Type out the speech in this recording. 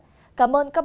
xin chào và hẹn gặp lại